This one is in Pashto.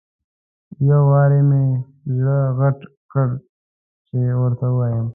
یو وارې مې زړه غټ کړ چې ورته ووایم.